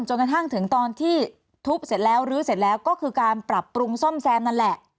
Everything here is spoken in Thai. จนกระทั่งถึงตอนที่ทุบเสร็จแล้วลื้อเสร็จแล้วก็คือการปรับปรุงซ่อมแซมนั่นแหละ